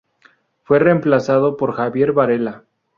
Fue reemplazado por Javier Varela.